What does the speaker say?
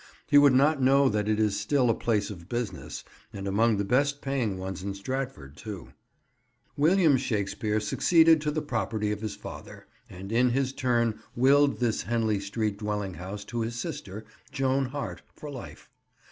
He would not know that it is still a place of business, and among the best paying ones in Stratford, too. William Shakespeare succeeded to the property of his father, and in his turn willed this Henley Street dwelling house to his sister, Joan Hart, for life.